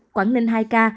quảng ninh hai ca